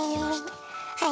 はい。